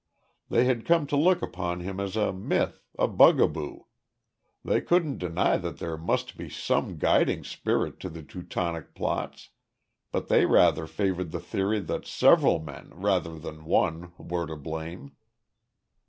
They had come to look upon him as a myth, a bugaboo. They couldn't deny that there must be some guiding spirit to the Teutonic plots, but they rather favored the theory that several men, rather than one, were to blame.